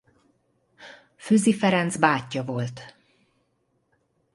Füzi Ferenc bátyja volt.